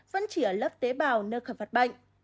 vẫn chỉ ở lớp tế bào nơi khởi phát bệnh